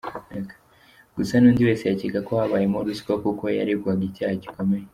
Gusa n’undi wese yakeka ko habayemo ruswa, kuko yaregwaga icyaha gikomeye.